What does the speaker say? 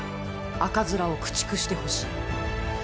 赤面を駆逐してほしい！